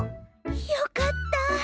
よかった。